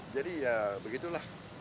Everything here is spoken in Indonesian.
jadi ya begitulah